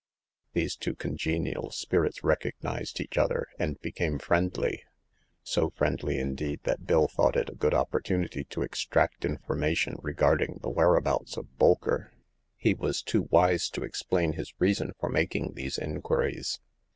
These two congenial spirits recognized each other, and be came friendly— so friendly, indeed, that Bill thought it a good opportunity to extract infor mation regarding the whereabouts of Bolker, He was too wise to explain his reason for making these inquiries.